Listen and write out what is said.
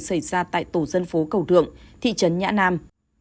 xảy ra tại tổ dân phố cầu thượng thị trấn nhã nam